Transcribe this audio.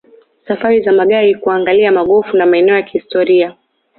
Safari za magari kuangalia magofu na maeneo ya kihistoria